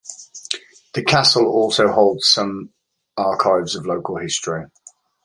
The Castle also holds some archives of local history.